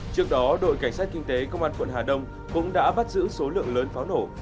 trước đó đội cảnh sát kinh tế công an quận hà đông cũng đã bắt giữ số lượng lớn pháo nổ